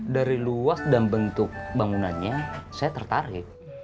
dari luas dan bentuk bangunannya saya tertarik